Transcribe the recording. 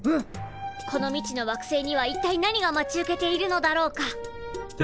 この未知の惑星にはいったい何が待ち受けているのだろうか？